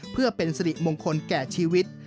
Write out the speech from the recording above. เพื่อเป็นสิริมงคลแก่ชีวิต